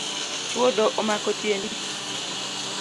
Chwodho omako tiendi.